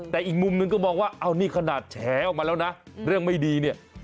แต่อีกมุมนึงก็มองว่าเอานี่ขนาดแฉออกมาแล้วนะเรื่องไม่ดีเนี่ย